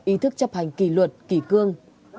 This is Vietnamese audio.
ý thức chấp hành kỳ luật kỳ cương